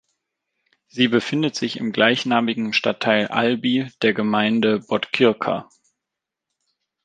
Sie befindet sich im gleichnamigen Stadtteil Alby der Gemeinde Botkyrka.